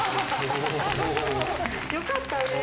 よかったね。